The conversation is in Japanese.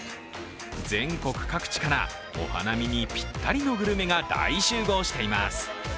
全国各地からお花見にぴったりのグルメが大集合しています。